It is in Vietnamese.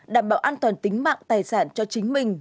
đảm bảo an toàn tính mạng tài sản cho chính mình